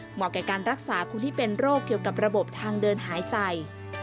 แก่การรักษาคนที่เป็นโรคเกี่ยวกับระบบทางเดินหายใจ